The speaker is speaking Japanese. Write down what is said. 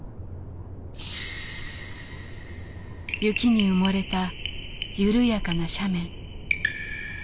雪に埋もれた緩やかな斜面。